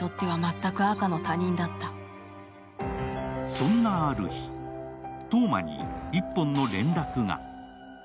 そんなある日、燈真に１本の連絡が。